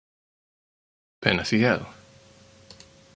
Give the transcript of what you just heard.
Penafiel.